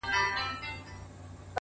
دي ښاد سي د ځواني دي خاوري نه سي ـ